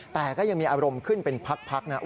แต่ก็ยังมีอารมณ์ขึ้นเป็นพักนะ